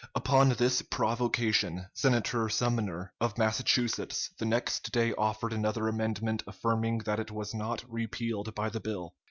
Upon this provocation, Senator Sumner, of Massachusetts, the next day offered another amendment affirming that it was not repealed by the bill.